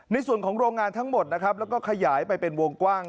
ในส่วนของโรงงานทั้งหมดนะครับแล้วก็ขยายไปเป็นวงกว้าง